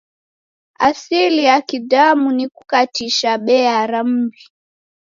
Asili ya Kidamu ni kukatisha bea ra m'mbi.